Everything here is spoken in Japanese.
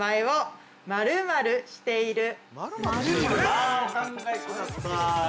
◆さあ、お考えください。